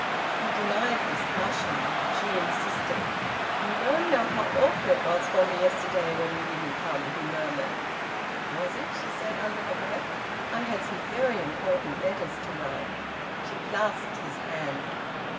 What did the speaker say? He denied this, blushing, but she insisted. "You don't know how awful it was for me yesterday when you didn't come!" he murmured. "Was it?" she said, under her breath. "I had some very important letters to write." She clasped his hand.